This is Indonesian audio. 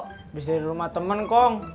habis dari rumah temen kong